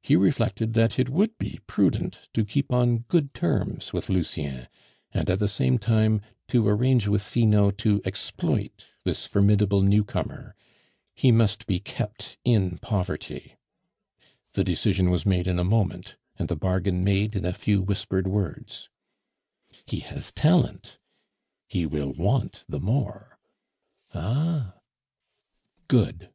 He reflected that it would be prudent to keep on good terms with Lucien, and, at the same time, to arrange with Finot to exploit this formidable newcomer he must be kept in poverty. The decision was made in a moment, and the bargain made in a few whispered words. "He has talent." "He will want the more." "Ah?" "Good!"